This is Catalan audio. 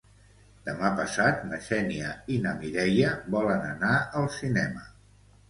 Demà passat na Xènia i na Mireia volen anar al cinema.